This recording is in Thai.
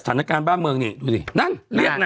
สถานการณ์บ้านเมืองนี่ดูดินั่นเรียกนะ